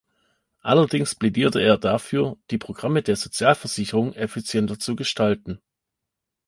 Allerdings plädierte er dafür, die Programme der Sozialversicherung effizienter zu gestalten.